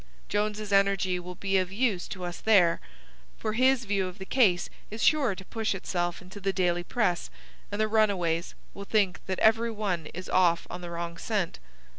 Jones's energy will be of use to us there, for his view of the case is sure to push itself into the daily press, and the runaways will think that every one is off on the wrong scent."